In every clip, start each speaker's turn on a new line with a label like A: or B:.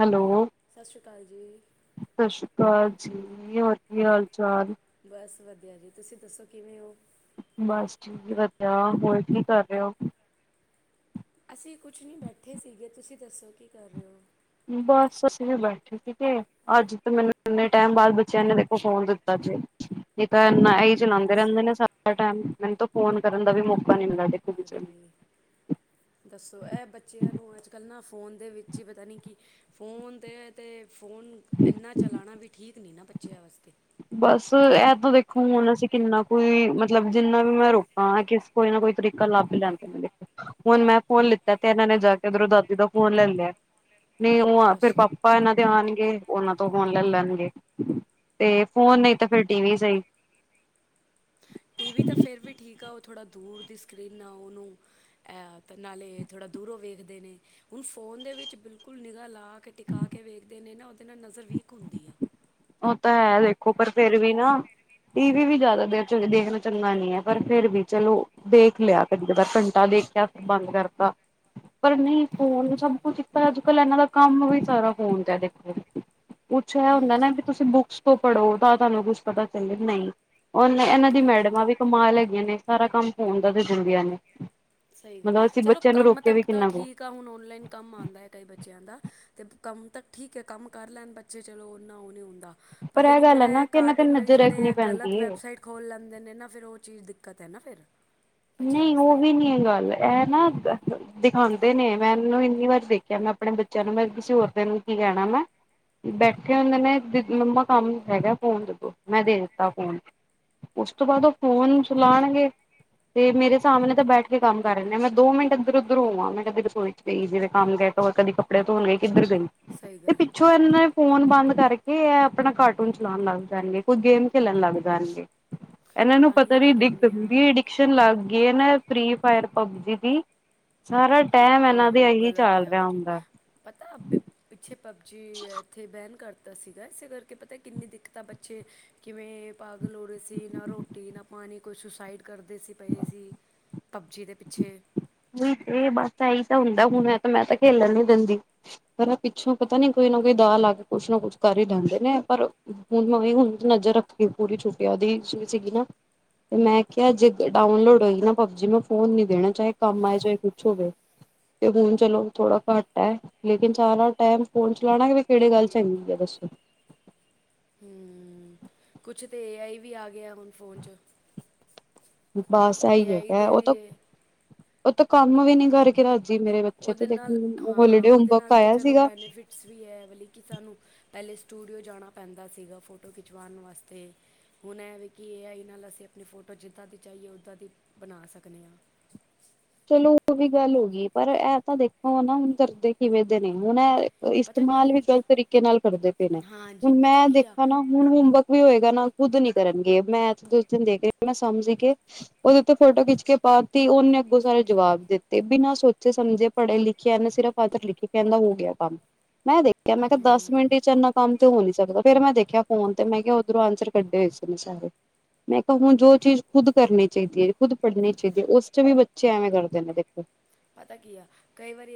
A: Hello
B: ਸਸ ਸ੍ਰੀ ਕਾਲ ਜੀ।
A: ਸਸ ਸ੍ਰੀ ਕਾਲ ਜੀ, ਹੋਰ ਕੀ ਹਾਲ ਚਾਲ।
B: ਬਸ ਵਧੀਆ ਜੀ ਤੁਸੀਂ ਦੱਸੋ ਕਿਵੇਂ ਹੋ।
A: ਬਸ ਠੀਕ ਵਧੀਆ, ਹੋਰ ਕੀ ਕਰ ਰਹੇ ਹੋ?
B: ਅਸੀਂ ਕੁਛ ਨਹੀਂ ਬੈਠੇ ਸੀਗੇ। ਤੁਸੀਂ ਦੱਸੋ ਕੀ ਕਰ ਰਹੇ ਹੋ?
A: ਬਸ ਅਸੀਂ ਵੀ ਬੈਠੇ ਸੀਗੇ। ਅੱਜ ਤੇ ਮੈਨੂੰ ਇੰਨੇ ਟਾਈਮ ਬਾਅਦ ਬੱਚਿਆਂ ਨੇ ਦੇਖੋ ਫੋਨ ਦਿੱਤਾ ਜੇ। ਨੀ ਤਾਂ ਇਨਾ ਇਹੀ ਚਲਾਦੇ
B: ਦੱਸੋ
A: ਰਹਿੰਦੇ ਨੇ ਸਾਰਾ ਟੈਮ, ਮੈਨੂੰ ਤਾਂ ਫੋਨ ਕਰਨ ਦਾ ਵੀ ਮੌਕਾ ਨੀ ਮਿਲਦਾ। ਦੇਖੋ
B: ਆ
A: ਕਿਸੇ ਨੂੰ।
B: ਰੇ ਦੱਸੋ ਇਹ ਬੱਚਿਆਂ ਨੂੰ ਅੱਜ-ਕੱਲ੍ਹ ਨਾ ਫ਼ੋਨ ਦੇ ਵਿੱਚ ਹੀ ਪਤਾ ਨੀ ਕਿ ਫ਼ੋਨ ਦੇ ਤੇ ਫੋਨ ਇੰਨਾ ਚਲਾਣਾ ਵੀ ਠੀਕ ਨੀ ਨਾ ਬੱਚਿਆਂ ਵਾਸਤੇ
A: ਬਸ ਇਹ ਤੋਂ ਦੇਖੋ ਹੁਣ ਅਸੀਂ ਕਿੰਨਾ ਕੁਈ ਮਤਲਬ ਜਿੰਨਾ ਵੀ ਮੈਂ ਰੋਕ ਹਾਂ ਕਿਸ ਕੋਈ ਨਾ ਕੋਈ ਤਰੀਕਾ ਲੱਭ ਲੈਂਦੇ ਨੇ ਹੁਣ ਮੈਂ ਫੋਨ ਲਿੱਤਾ ਤੇ ਇਹਨਾਂ ਨੇ ਜਾ ਕੇ ਉਧਰੋਂ ਦਾਦੀ ਦਾ ਫੋਨ ਲੈ ਲਿਆ। ਨਹੀਂ ਉਹ ਫੇਰ
B: ਦੱਸੋ
A: ਪਾਪਾ ਇਹਨਾਂ ਦੇ ਆਣਗੇ ਉਹਨਾਂ ਤੋ ਫੋਨ ਲੈ ਲੈਣਗੇ ਤੇ ਫੋਨ ਨਈ ਤੇ ਫੇਰ ਟੀ ਵੀ ਸਹੀ
B: ਟੀ ਵੀ ਤਾਂ ਫਿਰ ਵੀ ਠੀਕ ਆ, ਉਹ ਥੋੜ੍ਹਾ ਦੂਰ ਦੀ ਸਕਰੀਨ ਆ ਉਹਨੂੰ ਨਾਲੇ ਥੋੜ੍ਹਾ ਦੂਰੋਂ ਵੇਖਦੇ ਨੇ, ਹੁਣ ਫ਼ੋਨ ਦੇ ਵਿੱਚ ਬਿਲਕੁਲ ਨਿਗਾਾ ਲਾ ਅੱਖ ਟਿਕਾ ਕੇ ਵੇਖਦੇ ਨੇ ਨਾ ਉਹਦੇ ਨਾਲ ਨਜ਼ਰ ਵੀਕ ਹੁੰਦੀ ਆ।
A: ਉਹ ਤਾਂ ਹੈ ਵੇਖੋ ਪਰ ਫੇਰ ਵੀ ਨਾ, ਟੀ ਵੀ ਵੀ ਜ਼ਿਆਦਾ ਦੇਰ ਚ ਦੇਖ ਰ ਚੰਗਾ ਨੀ ਏ ਪਰ ਫੇਰ ਵੀ ਚਲੋ ਦੇਖ ਲਿਆ ਕਦੀ ਕਦਾ ਘੰਟਾ ਦੇਖਿਆ ਬੰਦ ਕਰਤਾ। ਪਰ ਨਈ ਫੋਨ ਸਭ
B: ਹਾਂਜੀ
A: ਕੁਛ ਇੱਕ ਅੱਜ-ਕੱਲ ਇਹਨਾਂ ਦਾ ਕੰਮ ਵੀ ਸਾਰਾ ਫੋਨ ਤੇ ਦੇਖੋ ਕੁਛ ਇਹ ਹੁੰਦਾ ਨਾ
B: ਹਾਂਜੀ
A: ਵੀ, ਤੁਸੀਂ ਬੁੱਕਸ ਤੋਂ ਪੜ੍ਹੋ ਤਾਂ ਤੁਹਾਨੂੰ ਕੁਛ ਪਤਾ ਚੱਲਿਆ ਨਈ ਓ ਹੁਣ ਇਹਨਾਂ ਦੀ
B: ਹਾਂਜੀ
A: ਮੈਡਮਾਂ ਵੀ ਕਮਾ ਲੈਗੀਆਂ ਨੇ ਸਾਰਾ ਕੰਮ ਫੋਨ ਦਾ ਦੇ ਦਿੰਦੀਆਂ ਨੇ।
B: ਸਹੀ ਗੱਲ,
A: ਮਤਲਬ ਅਸੀਂ
B: ਚਲੋ
A: ਬੱਚਿਆਂ ਨੂੰ
B: ਕੰਮ
A: ਰੋਕਿਆ ਵੀ
B: ਤੱਕ ਤਾਂ
A: ਕਿੰਨਾ ਕੁ
B: ਠੀਕ ਕੰਮ ਹੁਣ ਔਨਲਾਈਨ ਕੰਮ ਆਂਦਾ ਐ ਕਈ ਬੱਚਿਆਂ ਦਾ ਤੇ ਕੰਮ ਤਾਂ ਠੀਕ ਏ, ਕੰਮ ਕਰ ਲੈਣ ਬ ਤੇ ਚਲੋ ਉਨਾ ਉਹ ਨਹੀਂ ਹੁੰਦਾ ਪਰ ਲੇਕਿਨ
A: ਗੱਲ ਹੈ
B: ਜਿਹੜਾ
A: ਨਾ
B: ਇਹ
A: ਕਿ ਇਹਨਾਂ ਤੇ
B: ਕਾਰਟੂਨ ਵਿੱਚ,
A: ਨਜ਼ਰ ਰੱਖਣੀ
B: ਜਿਹੜੇ
A: ਪੈਂਦੀ
B: ਗਲਤ
A: ਏ।
B: ਵੈਬਸਾਈਟ ਖੋਲ ਲੈਂਦੇ ਨੇ ਨਾ ਫਿਰ ਉਹ ਚੀਜ਼ ਦਿੱਕਤ ਏ ਨਾ ਫਿਰ। ਬੱਚਿਆਂ
A: ਨਈ ਉਹ
B: ਵਾਸਤੇ
A: ਵੀ ਨੀ ਏ ਗੱਲ, ਇਹ ਨਾ ਦਿਖਾਦੇ ਨੇ ਮੈਂ ਇਹਨੂੰ ਇੰਨੀ ਵਾਰੀ ਦੇਖਿਆ ਮੈਂ ਆਪਣੇ ਬੱਚਿਆਂ ਨੂੰ, ਮੈਂ ਕਿਸੇ ਹੋਰ ਦਿਨ ਕੀ ਕਹਿਣਾ ਮੈਂ ਬੈਠੇ ਹੁੰਦੇ ਦੇ ਨੇ, ਮਮਾ ਕੰਮ ਹੈਗਾ ਫੋਨ ਦਦੋ ਮੈਂ ਦੇ ਦਿੱਤਾ ਫੋਨ। ਉਸ ਤੋਂ ਬਾਅਦ ਉਹ ਫੋਨ ਚੁਲਾਣਗੇ ਤੇ ਮੇਰੇ ਸਾਹਮਣੇ ਤਾਂ ਬੈਠ ਕੇ ਕੰਮ ਕਰ ਰਹੇੇ ਨੇ, ਮੈਂ ਦੋ ਮਿੰਟ ਇੱਧਰ -ਉੱਧਰ ਹੋਵਾਂ। ਮੈਂ ਕਦੀ ਰਸੋਈ ਚ ਗਈ ਜਿਵੇਂ ਕੰਮ ਕਦੀ ਕਪ ਕੱਪੜੇ ਧੋਣੇ ਗਏ, ਕਿੱਧਰ ਗਈ
B: ਸਹੀ
A: ਤੇ
B: ਗੱਲ
A: ਪਿੱਛੇ ਇਹਨਾਂ ਨੇ ਫੋਨ ਬੰਦ ਕਰਕੇ ਇਹ ਆਪਣਾ ਕਾਰਟੂਨ ਚਲਾਣ ਲੱਗ ਜਾਣਗੇ, ਕੋਈ ਗੇਮ ਖੇਲਣ ਲੱਗ ਜਾਣਗੇ। ਇਹਨਾਂ ਨੂੰ
B: ਤਾਂ ਹੀ
A: ਪਤਾ ਨੀ
B: ਤਾਂ ਕਹਿੰਦੇ
A: ਦੀ
B: ਹਾਂ
A: ਅਡਿਕਸ਼ਨ ਲੱਗ ਗਈ ਨਾ ਫੀ ਫਾਇਰ ਪਬਜੀ ਦੀ ਸਾਰਾ ਟੈਮ ਇਹਨਾਂ ਦੇ
B: ਓਹੋ
A: ਇਹੀ
B: ਗਲਤ
A: ਚੱਲ
B: ਹੈ ਉਹ
A: ਰਿਹਾ
B: ਚੀਜ਼
A: ਹੁੰਦਾ।
B: ਪਤਾ, ਪਿੱਛੇ ਪਬਜੀ ਇੱਥੇ ਬੈਨ ਕਰ ਤਾਂ ਸੀਗਾ। ਇਸੇ ਕਰਕੇ ਪਤਾ ਕਿੰਨੀ ਦਿੱਕਤ ਆ ਬੱਚੇ ਕਿਵੇਂ ਪਾਗਲ ਹੋ ਰਹੇ ਸੀ। ਨਾ ਰੋਟੀ, ਨਾ ਪਾਣੀ ਕੋਈ ਸੁਸਾਈਡ ਕਰਦੇ ਸੀ ਪਏ ਸੀ। ਪਬਜੀ ਦੇ ਪਿੱਛੇ
A: ਬਸ ਇਹੀ ਤਾਂ ਹੁੰਦਾ, ਹੁਣ ਮੈਂ ਤਾਂ ਖੇਲਣ ਨੀ ਦਿੰਦੀ। ਪਰ ਪਿੱਛੋਂ ਪਤਾ ਨੀ ਕੋਈ ਨਾ ਕੋਈ ਦਾਲ ਲਾ ਕੇ ਕੁਛ ਨਾ ਕੁਛ ਕਰ ਹੀ ਲੈਂਦੇ ਨੇ ਪਰ ਹੁਣ ਮ ਹੁਣ ਨਜ਼ਰ ਰੱਖੀ ਪੂਰੀ ਛੁੱਟੀ ਉਹਦੀ ਸੀਗੀ ਨਾ ਤੇ ਮੈਂ ਕਿਹਾ ਜੇ ਡਾਊਨਲੋਡ ਹੋਏਗੀ ਨਾ ਪਬਜੀ, ਮੈਂ ਫੋਨ ਨੀ ਦੇਣਾ ਚਾਹੇ। ਕੰਮ ਆਏ ਚਾਹੇ ਕੁਛ ਹੋਵੇ ਤੇ ਹੁਣ ਚਲੋ ਥੋੜਾ ਘੱਟ ਐ। ਲੇਕਿਨ ਸਾਰਾ ਟਾਈਮ ਫੋਨ ਚਲਾਣਾ, ਕਿਹੜੇ ਗੱਲ ਚੰਗੀ ਆ ਦੱਸੋ।
B: ਹੂੰ ਕੁਛ ਤਾਂ ਏ ਆਈ ਵੀ ਆ ਗਿਆ ਹੁਣ ਫੋਨ ਚ
A: ਬਸ
B: ਏ
A: ਇਹੀ
B: ਆਈ
A: ਹੈਗਾ,
B: ਦੇ
A: ਉਹ ਤਾਂ
B: ਵੀ
A: ਉਹ ਤਾਂ ਕੰਮ ਵੀ ਨੀ ਕਰਕੇ ਰਾਜ ਜੀ ਮੇਰੇ ਬੱਚੇ
B: ਉਹਦੇ
A: ਤੇ
B: ਨਾਲ
A: ਦੇਖੋ, ਹੋਲੀਡੇ ਹੋਮਵਰਕ ਆਇਆ ਸੀਗਾ।
B: ਏ ਵਾਲੀ ਕਿ ਸਾਨੂੰ ਪਹਿਲੇ ਸਟੂਡੀਓ ਜਾਣਾ ਪੈਂਦਾ ਸੀਗਾ ਫੋਟੋ ਖਿਚਵਾਣ ਵਾਸਤੇ ਹੁਣ ਐਵੇਂ ਕੀ ਇਹ ਆਈ ਨਾਲ ਅਸੀਂ ਆਪਣੀ ਫੋਟੋ ਜਿੱਦਾਂ ਦੀ ਚਾਹੀਏ ਉੱਦਾਂ ਦੀ ਬਣਾ ਸਕਦੇ ਆ।
A: ਚਲੋ ਉਹ ਵੀ ਗੱਲ ਹੋ ਗਈ ਪਰ ਇਹ ਤਾਂ ਦੇਖੋ ਨਾ ਹੁਣ ਡਦੇ ਕਿਵੇਂ ਦੇ ਨੇ ਹੁਣ ਇਹ ਤੇ
B: ਪਤਾ ਕੀ
A: ਇਸਤੇਮਾਲ ਵੀ
B: ਆ
A: ਗ਼ਲਤ ਤਰੀਕੇ ਨਾਲ ਕਰਦੇ ਪਏ ਨੇ
B: ਹਾਂਜੀ
A: ਹੁਨ
B: ਪਤਾ
A: ਮੈਂ
B: ਕੀ ਆ
A: ਦੇਖੋ ਨਾ ਹੁਨ ਹੋਮਵਰਕ ਵੀ ਹੋਏਗਾ ਨਾ ਖੁਦ ਨੀ ਕਰਨਗੇ ਮੈਥ [unintelligible] ਮੈਂ ਸਮਝ ਕੇ। ਓਦੇ ਉੱਤੇ ਫੋਟੋ ਖਿੱਚ ਕੇ ਪਾਤੀ ਓਨੇ ਬੋਤ ਸਾਰੇ ਜਵਾਬ ਦਿੱਤੇ, ਬਿਨਾਂ ਸੋਚੇ ਸਮਝੇ ਪੜ੍ਹੇ ਲਿਖੇ ਨਾ ਸਿਰਫ [unintelligible] ਲਿਖੇ ਕਹਿੰਦਾ ਹੋ ਗਿਆ ਕੰਮ। ਮੈਂ ਦੇਖਿਆ ਮੈਂ ਕਿਹਾ ਦਸ
B: ਹਮ
A: ਮਿੰਟ 'ਚ ਇੰਨਾ ਕੰਮ ਤੇ ਹੋ ਨੀ ਸਕਦਾ ਫੇਰ ਮੈਂ ਦੇਖਿਆ ਫੋਨ ਤੇ ਮੈਂ ਕਿਹਾ ਓਧਰੋਂ ਆਂਸਰ ਕੱਢੇ ਹੋਏ ਸੀ ਓਨੇ ਸਾਰੇ। ਮੈਂ ਕਿਹਾ ਹੁਨ ਜੋ ਚੀਜ਼ ਖੁਦ ਕਰਨੀ ਚਾਈਦੀ ਏ, ਖੁਦ ਪੜ੍ਹਨੀ ਚਾਹੀਦੀ ਏ, ਉਸ ਚ ਵੀ ਬ ਬੱਚੇ ਐਵੇਂ ਕਰਦੇ ਨੇ ਦੇਖੋ।
B: ਪਤਾ ਕੀ ਆ, ਕਈ ਵਾਰੀ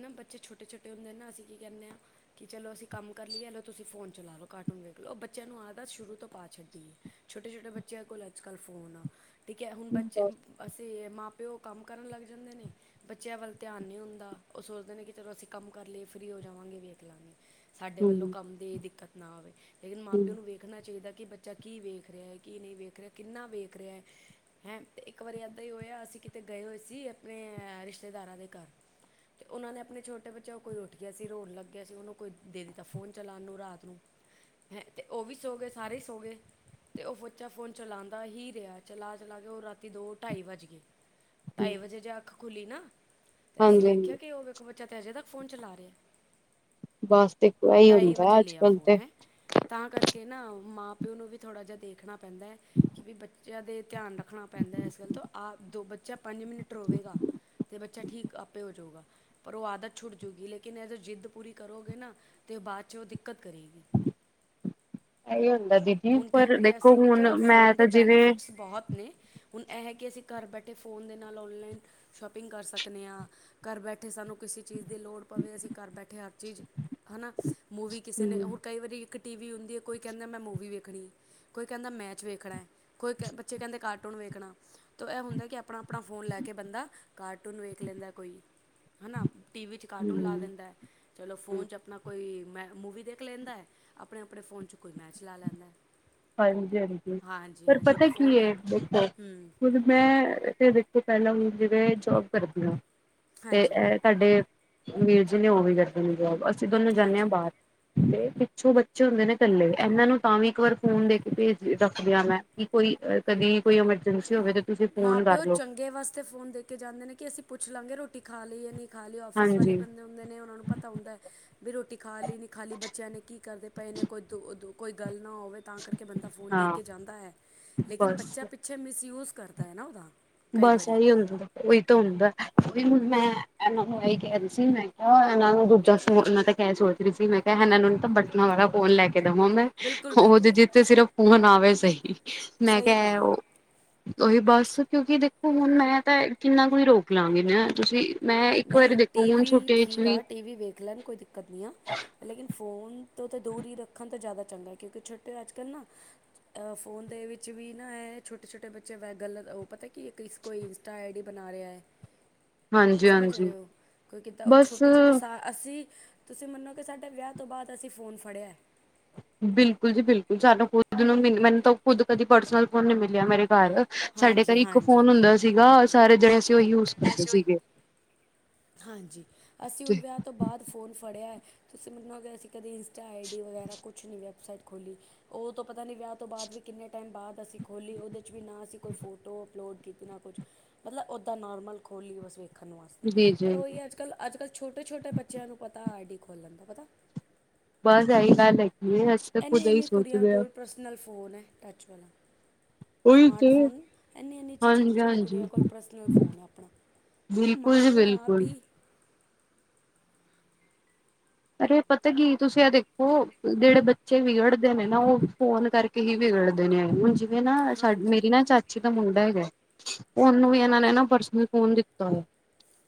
B: ਨਾ ਬੱਚੇ ਛੋਟੇ-ਛੋਟੇ ਹੁੰਦੇ ਨਾ ਅਸੀਂ ਕੀ ਕਹਿਨੇ ਆਂ? ਕਿ ਚਲੋ ਅਸੀਂ ਕੰਮ ਕਰ ਲਈਏ ਐ ਲੋ ਤੁਸੀਂ ਫੋਨ ਚਲਾ ਲੋ, ਕਾਰਟੂਨ ਵੇਖ ਲੋ, ਬੱਚਿਆਂ ਨੂੰ ਆਦਤ ਸ਼ੁਰੂ ਤੋਂ ਪਾ ਛੱਡੀ ਏ। ਛੋਟੇ-ਛੋਟੇ ਬੱਚਿਆਂ ਕੋਲ ਅੱਜ-ਕੱਲ ਫੋਨ ਆ। ਠੀਕ ਐ, ਹੁਨ ਬੱਚੇ ਅਸੀਂ ਮਾਂ-ਪਿਓ ਕੰਮ ਕਰਨ ਲੱਗ ਜਾਂਦੇ ਨੇ। ਬੱਚਿਆਂ ਵੱਲ ਧਿਆਨ ਨੀ ਹੁੰਦਾ, ਓ ਸੋਚਦੇ ਨੇ ਕਿ ਚਲੋ ਅਸੀਂ ਕੰਮ ਕਰ ਲਈਏ, ਫ੍ਰਰੀ ਹੋ ਜਾਵਾਂਗੇ, ਵੇਖ ਲਾਂਗੇ। ਸਾਡੇ ਵੱਲੋਂ
A: ਹਮ
B: ਕੰਮ ਦੀ ਦਿੱਕਤ ਨਾ ਆਵੇ ਲੇਕਿਨ
A: ਹਮ
B: ਮਾਂ-ਪਿਓ ਨੂੰ ਵੇਖ ਦੇਖਣਾ ਚਾਈਦਾ ਕਿ ਬੱਚਾ ਕੀ ਵੇਖ ਰਿਹਾ ਏ, ਕੀ ਨੀ ਵੇਖ ਰਿਹਾ ਕਿੰਨਾ ਵੇਖ ਰਿਹਾ ਐ? ਹੈਂ ਤੇ ਇੱਕ ਵਾਰੀ ਏਦਾਂ ਹੀ ਹੋਇਆ ਅਸੀਂ ਕਿਤੇ ਗਏ ਹੋਏ ਸੀ ਆਪਣੇ ਅ ਰਿਸ਼ਤੇਦਾਰਾਂ ਦੇ ਘਰ। ਤੇ ਓਨਾਂ ਨੇ ਆਪਣੇ ਛੋਟੇ ਬੱਚੇ ਕੋਈ ਉੱਠ ਗਿਆ ਸੀ, ਰੋਨ ਲੱਗਿਆ ਸੀ, ਓਨੂੰ ਕੋਈ ਦੇ ਦਿੱਤਾ ਫੋਨ ਚਲਾਨ ਨੂੰ ਰਾਤ ਨੂੰ। ਹੈਂ ਤੇ ਓ ਵੀ ਸੋ ਗੇ, ਸਾਰੇ ਈ ਸੋ ਗੇ। ਤੇ ਓ ਬੱਚਾ ਫੋਨ ਚਲਾਂਦਾ ਹੀ ਰਿਹਾ, ਚਲਾ-ਚਲਾ ਕੇ ਓ ਰਾਤੀ ਦੋ-ਢਾਈ ਵੱਜ ਗੇ। ਢਾਈ ਵਜੇ ਜੇ ਅੱਖ ਖੁਲੀ ਨਾ ਤੇ ਅਸੀਂ
A: ਹਾਂਜੀ ਹਾਂਜੀ
B: ਵੇਖਿਆ ਕਿ ਓ ਵੇਖੋ ਬੱਚਾ ਤੇ ਅਜੇ ਤੱਕ ਫ਼ੋਨ ਚਲਾ ਰਿਹਾ।
A: ਬਸ ਦੇਖੋ ਇਹੀ
B: ਢਾਈ
A: ਹੁੰਦਾ
B: ਵਜੇ
A: ਅੱਜ
B: ਲਿਆ
A: ਕੱਲ ਤੇ
B: ਫੋਨ, ਹੈਂ। ਤਾਂ ਕਰਕੇ ਨਾ ਮਾਂ-ਪਿਓ ਨੂੰ ਵੀ ਥੋੜ੍ਹਾ ਜਾ ਦੇਖਨਾ ਪੈਂਦਾ ਐ। ਕਿ ਵੀ ਬੱਚਿਆਂ ਦੇ ਧਿਆਨ ਰੱਖਣਾ ਪੈਂਦਾ ਇਸ ਗੱਲ ਤੋਂ ਆ ਦੋ ਬੱਚਾ ਪੰਜ ਮਿੰਟ ਰੋਵੇਗਾ। ਤੇ ਬੱਚਾ ਠੀਕ ਆਪੇ ਹੋ ਜਾਊਗਾ। ਪਰ ਉਹ ਆਦਤ ਛੁੱਟ ਜੂਗੀ ਲੇਕਿਨ ਐ ਜੋ ਜਿੱਦ ਪੂਰੀ ਕਰੋਗੇ ਨਾ ਤਾਂ ਓ ਬਾਦ 'ਚ ਓ ਦਿੱਕਤ ਕਰੇਗੀ।
A: ਇਹੀ ਹੁੰਦਾ ਦੀਦੀ
B: ਹੁਨ ਕਈ
A: ਪਰ
B: ਵਾਰੀ
A: ਦੇਖੋ
B: ਅਸੀਂ,
A: ਹੁਣ
B: ਚਲੋ
A: ਮੈਂ
B: ਫੋਨ ਦੇ
A: ਤਾਂ ਜਿਵੇਂ
B: ਬੈਨੀਫਿਟਸ ਬੋਹਤ ਨੇ। ਹੁਨ ਐ ਹੈ ਕਿ ਅਸੀਂ ਘਰ ਬੈਠੇ ਫੋਨ ਦੇ ਨਾਲ ਔਨਲਾਈਨ ਸ਼ੋਪ ਪਿੰਗ ਕਰ ਸਕਨੇ ਆਂ, ਘਰ ਬੈਠੇ ਸਾਨੂੰ ਕਿਸੇ ਚੀਜ਼ ਦੀ ਲੋੜ ਪਵੇ ਅਸੀਂ ਘਰ ਬੈਠੇ ਹਰ ਚੀਜ਼ ਹਨਾ, ਮੂਵੀ ਕਿਸੇ ਨੇ
A: ਹਮ
B: ਹੁਨ ਕਈ ਵਾਰੀ ਟੀ ਵੀ ਹੁੰਦੀ ਐ ਕੋਈ ਕਹਿੰਦਾ ਮੈਂ ਮੂਵੀ ਵੇਖਣੀ। ਕੋਈ ਕਹਿੰਦਾ ਮੈਚ ਵੇਖਣਾ ਐ, ਕੋਈ ਕ ਬੱਚੇ ਕਹਿੰਦੇ ਕਾਰਟੂਨ ਵੇਖਣਾ। ਤੋਂ ਐ ਹੁੰਦਾ ਕਿ ਆਪਣਾ-ਆਪਣਾ ਫੋਨ ਲੈ ਕੇ ਬੰਦਾ ਕਾਰਟੂਨ ਵੇਖ ਲੈਂਦਾ ਕੋਈ, ਹੈ ਨਾ ਟੀ ਵੀ 'ਚ ਕਾਰਟੂਨ ਲਾ
A: ਹਮ
B: ਦਿੰਦਾ। ਚਲੋ ਫੋਨ 'ਚ ਆਪਣਾ, ਕੋਈ ਮੈ ਮੂਵੀ ਦੇਖ ਲੈਂਦਾ ਐ। ਆਪਣੇ-ਆਪਣੇ ਫੋਨ 'ਚ ਕੋਈ ਮੈਚ ਲਾ ਲੈਂਦਾ ਐ।
A: ਹਾਂਜੀ-ਹਾਂਜੀ ਪਰ ਪਤਾ ਕੀ
B: ਫੋਨ 'ਤੇ
A: ਏ ਦੇਖੋ
B: ਹੂੰ
A: ਮੈਂ ਏਥੇ ਦੇਖੋ, ਪਹਿਲਾਂ ਜਿਵੇਂ ਜੋਬ ਕਰਦੀ ਆਂ ਤੇ
B: ਹਾਂਜੀ
A: ਐ ਸਾਡੇ ਵੀਰ ਜੀ ਨੇ ਓ ਵੀ ਕਰਦੇ ਨੇ ਜੋਬ, ਅਸੀਂ ਦੋਨੋਂ ਜਾਂਨੇ ਆਂ
B: ਹਾਂਜੀ
A: ਬਾਰ। ਤੇ ਪਿੱਛੋਂ ਬੱਚੇ ਹੁੰਦੇ ਨੇ ਕੱਲੇ ਏਨਾਂ ਨੂੰ ਤਾਂ ਵੀ ਇੱਕ ਵਾਰ ਫੋਨ ਦੇ ਕੇ ਭੇਜ ਰੱਖਦਿਆਂ ਮੈਂ ਕਿ ਕੋਈ ਕਦੇ ਕੋਈ ਐਮਰਜੈਂਸੀ ਹੋਵੇ ਤੇ ਤੁਸੀਂ ਫੋਨ ਕਰ
B: ਮਾ-ਪਿਓ
A: ਲਓ
B: ਚੰਗੇ ਵਸ ਤੇ ਫੋਨ ਦੇ ਕੇ ਜਾਂਦੇ ਨੇ ਕਿ ਅਸੀ ਪੁੱਛ ਲਾਂਗੇ ਰੋਟੀ ਖਾ ਲੀ ਯਾ ਨੀ ਖਾ ਲੀ ਔਫਿਸ ਵਾਲੇ
A: ਹਾਂਜੀ
B: ਬੰਦੇ ਨੂੰ ਹੁੰਦੇ ਨੇ ਓਨਾਂ ਨੂੰ ਪਤਾ ਹੁੰਦਾ। ਵੀ ਰੋਟੀ ਖਾ ਲੀ ਨੀ ਖਾ ਲੂ ਬੱਚਿਆਂ ਨੇ, ਕੀ ਕਰਦੇ ਪਏ ਨੇ, ਕੋਈ ਦੋ ਗੱਲ ਨਾ ਹੋਵੇ। ਤਾਂ ਕਰਕੇ ਬੰਦਾ ਫੋਨ
A: ਹਾਂ
B: ਦੇਖ ਕੇ ਜਾਂਦਾ ਹੈ ਲੇਕਿਨ
A: ਬਸ
B: ਬੱਚਾ ਪਿੱਛੇ ਮਿਸਯੂਜ ਕਰਦਾ ਹੈ ਨਾ ਓਦਾ।
A: ਬਸ ਏਹੀ ਹੁੰਦ [unintelligible] ਓਈ ਤੇ ਹੁੰਦਾ, ਓਈ ਹੁਨ ਮੈਂ ਏਨਾਂ ਨੂੰ ਐਈ ਕਹਿ ਰੀ ਸੀ, ਮੈਂ ਕਿਹਾ, ਏਨਾਂ ਨੂੰ ਦੂਜਾ ਫੋਨ [unintelligible] [unintelligible] ਮੈਂ ਕਿਹਾ ਏਨਾਂ ਨੂੰ ਤਾਂ ਬਟਨਾਂ ਵਾਲਾ ਫੋਨ ਲੈ ਕੇ ਦਵਾਂ ਮੈਂ।
B: ਬਿਲਕੁਲ
A: ਉਹਦੇ
B: ਬਿਲਕੁਲ
A: ਜਿਥੇ ਸਿਰਫ ਫੋਨ ਆਵੇ ਸਹੀ ਮੈਂ
B: ਸਹੀ
A: ਕਿਹਾ ਇਹ
B: ਗੱਲ ਆ
A: ਉਹ ਉਹੀ ਬਸ ਕਿਉਂਕਿ ਦੇਖੋ ਹੁਣ ਮੈਂ ਤਾਂ ਕਿੰਨਾ ਕੁਈ ਰੋਕ ਲਵਾਂਗੇ ਮੈਂ ਤੁਸੀਂ ਮੈਂ ਇੱਕ ਵਾਰੀ
B: ਨਹੀਂ
A: ਦੇਖੋ ਹੁਣ
B: ਟੀਵੀ
A: ਛੁੱਟੀਆਂ ਵਿੱਚ
B: ਠੀਕ ਆ ਟੀਵੀ ਵੀ ਵੇਖ ਲੈਣ ਕੋਈ ਦਿੱਕਤ ਨਹੀਂ ਆ। ਲੇਕਿਨ ਫੋਨ ਤੋਂ ਤਾਂ ਦੂਰ ਹੀ ਰੱਖਣ ਤਾਂ ਜ਼ਿਆਦਾ ਚੰਗਾ ਕਿਉਂਕਿ ਛੋਟੇ ਅੱਜ ਕੱਲ ਨਾ ਅਹ ਫੋਨ ਦੇ ਵਿੱਚ ਵੀ ਨਾ ਇਹ ਛੋਟੇ-ਛੋਟੇ ਬੱਚੇ ਗਲਤ ਉਹ ਪਤਾ ਕਿ ਇਸ ਕੋਈ ਇੰਸਟਾ ਆਈ ਡੀ ਬਣਾ ਰਿਹਾ ਹੈ।
A: ਹਾਂਜੀ
B: ਸਮਝ ਰਹੇ
A: ਹਾਂਜੀ
B: ਹੋ ਕੋਈ ਕਿੱਦਾਂ ਉਹ
A: ਬਸ
B: ਛੋਟੇ- ਛੋਟੇ ਸਾ ਅਸੀਂ ਤੁਸੀਂ ਮੰਨੋ ਕਿ ਸਾਡੇ ਵਿਆਹ ਤੋਂ ਬਾਅਦ ਅਸੀਂ ਫੋਨ ਫੜਿਆ
A: ਬਿਲਕੁਲ ਜੀ ਬਿਲਕੁਲ ਸਾਨੂੰ ਖੁਦ ਨੂੰ ਮ ਮੈਨੂੰ ਤਾਂ ਖੁਦ ਕਦੀ ਪਰਸਨਲ ਫੋਨ ਨੀ ਮਿਲਿਆ ਮੇਰੇ ਘਰ ਸਾਡੇ ਘਰ
B: ਹਾਂਜੀ
A: ਇੱਕ
B: ਹਾਂਜੀ
A: ਫੋਨ ਹੁੰਦਾ ਸੀਗਾ ਸਾਰੇ ਜਿਹੜੇ
B: ਹਾਂਜੀ ਅਸੀਂ ਹੁਣ ਵਿਆਹ ਤੋਂ ਬਾਅਦ ਫੋਨ ਫੜਿਆ ਹੈ ਤੁਸੀਂ ਮੈਨੂੰ ਹੋ ਅਸੀਂ ਕਦੇ ਇੰਸਟਾ ਆਈ ਡੀ ਵਗੈਰਾ ਕੁਛ ਨਹੀਂ ਵਆ ਸਾਇਦ ਖੋਲੀ ਉਹ ਤੋਂ ਪਤਾ ਨੀ ਵਿਆਹ ਤੋਂ ਬਾਅਦ ਵੀ ਕਿੰਨੇ ਟਾਈਮ ਬਾਅਦ ਅਸੀਂ ਖੋਲ੍ਹੀ ਉਹਦੇ ਵੀ ਨਾ ਅਸੀਂ ਕੋਈ ਫੋਟੋ ਅਪਲੋਡ ਕੀਤੀ ਨਾ ਕੁਛ ਮਤਲਬ ਉਹੱਦਾਂ ਨੋਾਰਮਲ ਖੋਲ੍ਹੀ ਬਸ ਵੇਖ ਰਖਣ ਵਾਸਤੇ
A: ਜੀ
B: ਪਰ
A: ਜੀ
B: ਉਹੀ ਅੱਜ ਕੱਲ੍ਹ ਅੱਜ ਕੱਲ੍ਹ ਛੋਟੇ- ਛੋਟੇ ਬੱਚਿਆਂ ਨੂੰ ਪਤਾ ਆਈ ਡੀ ਖੋਲ੍ਹਣ ਦਾ ਪਤਾ
A: ਬਸ ਆਈ ਗੱਲ ਹੈਗੀ ਅਸ
B: ਐਂਨੀ-ਐੰਨੀ ਕੁੜੀਆਂ ਕੋਲ ਪਰਸਨਲ ਫੋਨ ਹੈ ਟੱਚ ਵਾਲਾ
A: ਉਹੀ ਤੇ
B: ਸਮਾਰਟਫੋਨਇੰਨੀ-ਇੰਨੀ ਅੱਛੀ
A: ਹਾਂਜੀ
B: ਛੋਟੀ-ਛੋਟੀ
A: ਹਾਂਜੀ
B: ਕੁੜੀਆਂ ਕੋਲ ਪਰਸਨਲ ਫੋਨ ਆ ਆਪਣਾ ਮਾਂ
A: ਬਿਲਕੁਲ ਜੀ
B: ਪਿਓ ਆਪ
A: ਬਿਲਕੁਲ
B: ਈ
A: ਅਰੇ ਪਤਾ ਕੀ ਤੁਸੀਂ ਆ ਦੇਖੋ ਜਿਹੜੇ ਬੱਚੇ ਵਿਗੜਦੇ ਨੇ ਨਾ ਉਹ ਫੋਨ ਕਰਕੇ ਹੀ ਵਿਗੜਦੇ ਨੇ ਆ ਹੁਣ ਜਿਵੇਂ ਨਾ ਸਾ
B: ਹਾਂਜੀ
A: ਮੇਰੀ ਨਾ ਚਾਚੀ ਦਾ ਮੁੰਡਾ ਹੈਗਾ ਉਹਨੂੰ ਵੀ ਇਹਨਾਂ ਨੇ ਨਾ ਪਰਸਨ ਹੀ ਫੋਨ ਦਿੱਤਾ ਹੋਇਆ।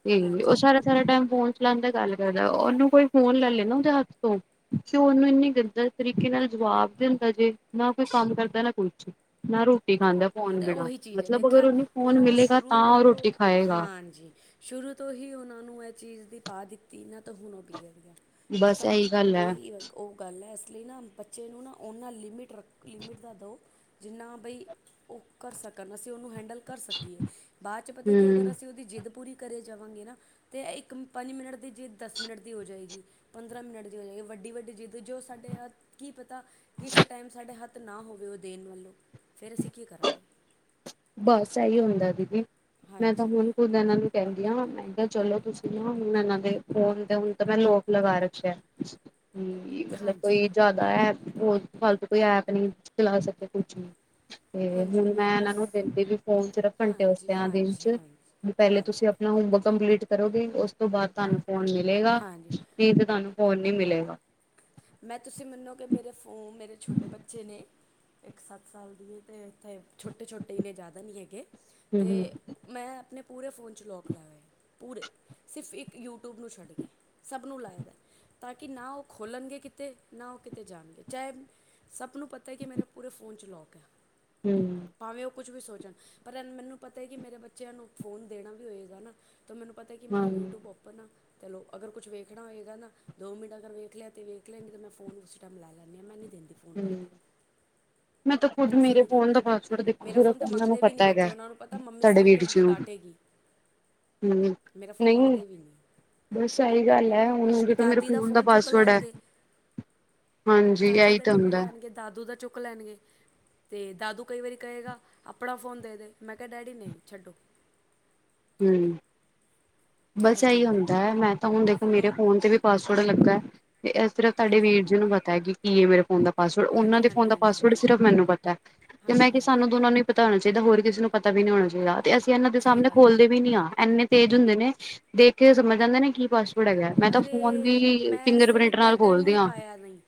A: ਤੇ ਉਹ
B: ਹਾਂਜੀ
A: ਸਾਰਾ-ਸਾਰਾ ਟਾਈਮ ਫੋਨ ਚਲਾਉਣ ਦੀ ਗੱਲ ਕਰਦਾ ਉਹਨੂੰ ਕੋਈ ਫੋਨ ਲੈ-ਲਏ ਨਾ ਉਹਦੇ ਹੱਥ ਤੋਂ ਤੇ ਉਹਨੂੰ ਇੰਨੀ ਗੰਦਾ ਤਰੀਕੇ ਨਾਲ ਜਵਾਬ ਦੇ ਦਿੰਦਾ ਜੇ ਨਾ ਕੋਈ ਕੰਮ ਕਰਦਾ ਨਾ ਕੁਛ ਨਾ ਰੋਟੀ ਖਾਂਦਾ। ਫੋਨ
B: ਤੇ
A: ਬਿਨਾਂ
B: ਉਹੀ ਚੀਜ਼ ਹੈ
A: ਮਤਲਬ ਅਗਰ
B: ਦੇਖਿਆ
A: ਉਹਨੂੰ
B: ਹੁਣ
A: ਫੋਨ
B: ਉਹ
A: ਮਿਲੇਗਾ ਤਾਂ
B: ਸ਼ੁਰੂ
A: ਉਹ
B: ਤੋਂ
A: ਰੋਟੀ ਖਾਏਗਾ
B: ਹਾਂਜੀ। ਸ਼ੁਰੂ ਤੋਂ ਹੀ ਉਹਨਾਂ ਨੂੰ ਇਹ ਚੀਜ਼ ਦੀ ਪਾ ਦਿੱਤੀ ਨਾ ਤਾਂ ਹੁਣ ਉਹ ਬਿਗੜ ਗਿਆ। ਠੀਕ
A: ਬਸ
B: ਆ
A: ਇਹੀ ਗੱਲ ਹੈ
B: ਉਹੀ ਅ ਉਹ ਗੱਲ ਹੈ ਇਸ ਲਈ ਨਾ ਬੱਚੇ ਨੂੰ ਨਾ-ਨਾ ਲਿਮਿਟ ਰੱਖ ਲਿਮਿਟ ਦਾ ਦਿਉ ਜਿੰਨਾ ਬਈ ਉਹ ਕਰ ਸਕਣ ਅਸੀਂ ਉਹਨੂੰ ਹੈਂਡਲ ਕਰ ਸਕੀਏ ਬਾਅਦ 'ਚ ਪਤਾ ਕਿ ਅਗਰ
A: ਹਮ
B: ਅਸੀਂ ਉਹਦੇ ਦੀ ਜਿੱਦ ਪੂਰੀ ਕਰੇ ਜਾਵਾਂਗੇ ਨਾ ਤੇ ਇੱਕ ਪੰਜ ਮਿੰਟ ਦੀ ਜਿੱਦ ਦਸ ਮਿੰਟ ਦੀ ਹੋ ਜਾਏਗੀ। ਪੰਦਰਾਂ ਮਿੰਟ ਹੋ ਜਾਏਗੀ ਵੱਡੀ-ਵੱਡੀ ਜਿੱਦ ਜੋ ਸਾਡੇ ਹੱਥ ਕੀ ਪਤਾ ਕਿਸ ਟਾਈਮ ਸਾਡੇ ਹੱਥ ਨਾ ਹੋਵੇ ਉਹ ਦੇਣ ਵੱਲੋਂ ਫਿਰ ਅਸੀਂ ਕੀ ਕਰਾਂਗੇ।
A: ਬਸ ਇਹੀ ਹੁੰਦਾ ਦੀਦੀ ਮੈਂ ਤਾਂ
B: ਹਾਂਜੀ
A: ਹੁਣ ਖੁਦ ਇਹਨਾਂ ਨੂੰ ਕਹਿੰਦੀ ਆ ਮੈਂ ਕਿਹਾ, ਚਲੋ ਤੁਸੀਂ ਨਾ ਹੁਣ ਇਹਨਾਂ ਦੇ ਫੋਨ ਤੇ ਹੁਣ ਤਾਂ ਮੈਂ ਲੋਕ ਲਗਾ ਰੱਖਿਆ। ਹੂੰ ਮਤਲਬ
B: ਹਾਂਜੀ
A: ਕੋਈ ਜਿਦਾ ਤੇ ਆ ਫਾਲਤੂ ਕੋਈ ਐਪ ਨੀ ਚਲਾ ਸਕੇ ਕੁਛ ਨ ਤੇ
B: ਹਾਂਜੀ
A: ਹੁਣ ਮੈਂ ਇਹਨਾਂ
B: ਉਸ
A: ਨੂੰ ਕਹਿੰਦੇ ਵੀ ਫੋਨ ਸਿਰਫ ਘੰਟੇ ਵਸਤੇ
B: ਹਾਂਜੀ
A: ਆ ਦੇਨ
B: ਹਾਂਜੀ
A: 'ਚ
B: ਹਾਂਜੀ
A: ਵੀ ਪਹਿਲੇ
B: ਹਾਂਜੀ
A: ਤੁਸੀਂ ਕੰਪਲੀਟ ਕਰੋਗੇ ਉਸ ਤੋਂ ਬਾਅਦ ਤੁਹਾਨੂੰ ਫ਼ੋਨ ਮਿਲੇਗਾ।
B: ਹਾਂਜੀ
A: ਵੀ ਤੇ ਤੁਹਾਨੂੰ ਫੋਨ ਨੀ ਮਿਲੇਗਾ।
B: ਮੈਂ ਤੁਸੀਂ ਮੰਨੋ ਕਿ ਮੇਰੇ ਫੋਨ ਮੇਰੇ ਛੋਟੇ ਬੱਚੇ ਨੇ। ਇੱਕ ਸੱਤ ਸਾਲ ਦੀ ਅਤੇ ਇੱਥੇ ਛੋਟੇ-ਛੋਟੇ ਇਨੇ ਜ਼ਿਆਦਾ ਨਹੀਂ ਹੈਗੇ
A: ਹੂੰ
B: ਤੇ
A: ਹੂੰ
B: ਮੈਂ ਆਪਣੇ ਪੂਰੇ ਫੋਨ 'ਚ ਲੌਕ ਲਾਇਆ ਹੋਇਆ। ਪੂਰੇ ਸਿਰਫ ਇੱਕ ਯੂਟਿਊਬ ਨੂੰ ਛੱਡ ਕੇ ਸਭ ਨੂੰ ਲਾਇਆ ਦਾ ਤਾਂ ਕਿ ਨਾ ਉਹ ਖੋਲ੍ਹਣਗੇ ਕਿਤੇ ਨਾ ਉਹ ਕਿਤੇ ਜਾਣਗੇ ਚਾਹੇ ਸਭ ਨੂੰ ਪਤਾ ਕਿ ਮੇਰੇ ਪੂਰੇ ਫੋਨ 'ਚ ਲੌਕ ਹੈ
A: ਹੂੰ
B: ਭਾਵੇਂ ਉਹ ਕੁਛ ਵੀ ਸੋਚਣ ਪਰ ਮੈਨੂੰ ਪਤਾ ਹੈ ਕਿ ਮੇਰੇ ਬੱਚਿਆਂ ਨੂੰ ਫੋਨ ਦੇਣਾ ਵੀ ਹੋਏਗਾ ਨਾ ਤਾਂ ਮੈਨੂੰ ਪਤਾ ਕਿ ਮੇਰਾ
A: ਹਾਂ ਹੂੰ
B: ਯੂਟਿਊਬ ਓਪਨ ਆ ਚਲੋ ਅਗਰ ਕੁਛ ਵੇਖਣਾ ਹੋਏਗਾ ਨਾ ਦੋ ਮਿੰਟ ਅਗਰ ਵੇਖ ਵੇਖ ਲਿਆ ਤੇ ਵੇਖ ਲਿਆ ਨਹੀਂ ਤਾਂ ਮ ਫੋਨ ਉਸ ਟਾਈਮ ਲੈ ਲੈਂਣੀ ਆਂ ਮੈਂ ਨਹੀਂ ਦਿੰਦੀ ਫੋਨ ਆਪਣਾ
A: [inaudible] ਮੈਂ ਤਾਂ ਖੁਦ
B: ਅਸੀਂ
A: ਮੇਰੇ
B: ਨਹੀਂ
A: ਫੋਨ
B: ਦਿੰਦੇ
A: ਦਾ ਪਾਸਵਰਡ ਦੇਖੋ
B: ਮੇਰਾ ਫ਼ੋਨ
A: ਸਿਰਫ
B: ਤਾਂ
A: ਉਹਨਾਂ ਨੂੰ
B: ਮੰਗਦੇ ਵੀ
A: ਪਤਾ
B: ਨਹੀਂ
A: ਹੈਗਾ।
B: ਬੱਚੇ ਉਹਨਾਂ ਨੂੰ ਪਤਾ ਮੰਮੀ
A: ਤੁਹਾਡੇ
B: ਸਟ੍ਰਿਕ
A: ਵੀਰ
B: ਹੈ
A: ਜੀ ਨੂੰ।
B: ਡਾਂਟੇਗੀ
A: ਹੂੰ,
B: ਮੇਰਾ ਫ਼ੋਨ
A: ਨਹੀਂ,
B: ਮੰਗਦੇ ਵੀ ਨਹੀਂ
A: ਬਸ ਏਹੀ ਗੱਲ ਹੈ ਹੁਣ ਤਾਂ ਮੇਰੇ
B: ਦਾਦੀ
A: ਫੂਨ ਦਾ
B: ਫ਼ੋਨ ਚੁੱਕ
A: ਪਾਸ
B: ਲੈਣਗੇ
A: [unintelligible] ਹਾਂਜੀ,
B: ਦਾਦੀ
A: ਆਈ
B: ਦਾ ਚੁੱਕ ਲੈਣਗੇ ਦਾਦੂ ਦਾ ਚੁੱਕ ਲੈਣਗੇ। ਅਤੇ ਦਾਦੂ ਕਈ ਵਾਰੀ ਕਹੇਗਾ, ਆਪਣਾ ਫੋਨ ਦੇ ਦੇ, ਮੈਂ ਕਿਹਾ, ਡੈਡੀ ਨਹੀਂ ਛੱਡੋ।
A: ਹੂੰ, ਬਸ
B: ਇਹ
A: ਇਹੀ
B: ਚੀਜ਼
A: ਹੁੰਦਾ ਹੈ ਮੈਂ ਤਾਂ ਹੁਣ ਦੇਖੋ ਮੇਰੇ
B: ਫ਼ੋਨ
A: ਫੋਨ ਤੇ ਵੀ, ਪਾਸਵਰਡ ਲੱਗਾ ਹੈ ਤੇ ਸਿਰਫ ਤੁਹਾਡੇ
B: ਹਾਂਜੀ
A: ਵੀਰ ਜੀ ਨੂੰ ਪਤਾ ਹੈ ਕਿ ਕੀਏ ਮੇਰੇ ਫੋਨ ਦਾ ਪਾਸਵਰਡ, ਉਹਨਾਂ
B: ਹਾਂਜੀ
A: ਦੇ
B: ਹਾਂਜੀ
A: ਫੋਨ ਦਾ
B: ਹਾਂਜੀ
A: ਪਾਸਵਰਡ
B: ਹਾਂਜੀ
A: ਸਿਰਫ ਮੈਨੂੰ ਪਤਾ ਏ। ਤੇ ਮੈਂ
B: ਹਾਂਜੀ
A: ਕਿਹਾ
B: ਹਾਂਜੀ
A: ਸਾਨੂੰ ਦੋਨਾਂ ਨੂੰ ਹੀ ਪਤਾ ਹੋਣਾ ਚਾਹੀਦਾ, ਹੋਰ ਕਿਸੇ ਨੂੰ ਪਤਾ ਵੀ ਨਹੀਂ ਹੋਣਾ ਚਾਹੀਦਾ, ਤੇ ਅਸੀਂ ਇਹਨਾਂ ਦੇ
B: ਸਹੀ
A: ਸਾਹਮਣੇ।
B: ਗੱਲ ਆ
A: ਖੋਲਦੇ ਵੀ ਨੀ ਆ, ਇੰਨੇ ਤੇਜ ਹੁੰਦੇ ਨੇ ਦੇਖ ਕੇ ਸਮਝ ਜਾਂਦੇ ਨੇ ਕੀ ਭਾਸ਼ਾ।
B: ਅਰੇ, ਮੈਂ ਇਸੇ ਲਈ
A: ਪ੍ਰਿੰਟ ਨਾਲ
B: ਪੈਟਰ
A: ਖੋਲਦੀ
B: ਨਹੀਂ
A: ਹਾਂ
B: ਪਾਇਆ ਨਈਂ।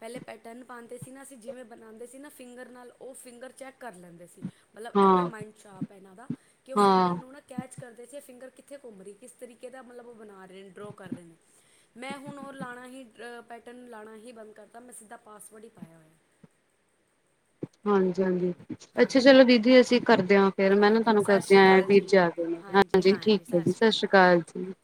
B: ਪਹਿਲੇ ਪੈਟਨ ਪਾਉਂਦੇ ਸੀ ਨਾ ਅਸੀਂ, ਜਿਵੇਂ ਬਣਾਉਂਦੇ ਸੀ, ਨਾ ਫਿੰਗਰ ਨਾਲ, ਉਹ ਫਿੰਗਰ ਚੈੱਕ ਕਰ ਲੈਂਦੇ ਸੀ। ਮਤਲਬ ਇੰਨਾ
A: ਹਾਂ
B: ਮਾਈਂਡ ਚਾਰਪ ਹੈ ਇਹਨਾਂ ਦਾ ਕਿ ਉਹ ਫਿੰਗਰ
A: ਹਾਂ
B: ਨੂੰ ਨਾ। ਕੈਚ ਕਰਦੇ ਸੀ ਫਿੰਗਰ ਕਿੱਥੇ ਘੁੰਮ ਰਹੀ, ਕਿਸ ਤਰੀਕੇ ਦਾ ਮਤਲਬ ਉਹ ਬਣਾ ਰਹੇ ਨੇ, ਡਰੋ ਕਰ ਰਹੇ ਨੇ, ਮੈਂ ਹੁਣ ਉਹ ਲਾਣਾ ਹੀ, ਪੈਟਨ ਲਾਉਣਾ ਹੀ ਬੰਦ ਕਰਤਾ ਮੈਂ ਸਿੱਧਾ ਪਾਸਵਰਡ ਹੀ ਪਾਇਆ ਹੋਇਆ।
A: ਹਾਂਜੀ, ਹਾਂਜੀ। ਅੱਛਾ
B: ਹਾਂਜੀ
A: ਚਲੋ ਦੀਦੀ ਅਸੀਂ ਕਰਦੇ ਹਾਂ ਫੇਰ, ਮੈਂ ਨਾ
B: ਹਾਂਜੀ
A: ਤੁਹਾਨੂੰ
B: ਸਤਿ
A: ਕਰਦੇ,
B: ਸ਼੍ਰੀ ਅਕਾਲ
A: [unintelligible]
B: ਜੀ
A: ਜਾ ਕੇ ਹਾਂਜੀ, ਠੀਕ ਹੈ
B: ਸਤਿ
A: ਜੀ ਸਾਸ
B: ਅਕਾਲ
A: ਸ਼੍ਰੀ
B: ਓਕੇ
A: ਕਾਲ। [unintelligible]